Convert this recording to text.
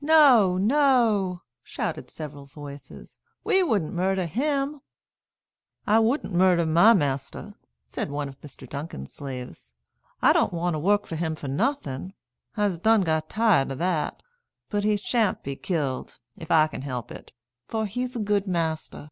"No, no," shouted several voices; "we wouldn't murder him." "I wouldn't murder my master," said one of Mr. Duncan's slaves. "I don't want to work for him for nothin'; I'se done got tired o' that; but he sha'n't be killed, if I can help it; for he's a good master."